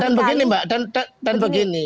dan begini mbak dan begini